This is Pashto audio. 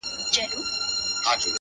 د شېخ د فتواگانو چي په امن لرې خدايه _